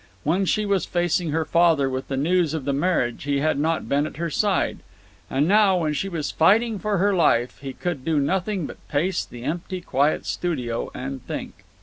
When she was facing her father with the news of the marriage he had not been at her side. And now, when she was fighting for her life, he could do nothing but pace the empty, quiet studio and think.